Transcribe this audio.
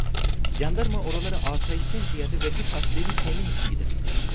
Candarma oralara asayişten ziyade vergi tahsilini temin için gider.